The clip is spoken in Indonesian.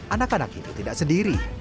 anak anak itu tidak sendiri